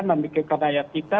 membikirkan ayat kita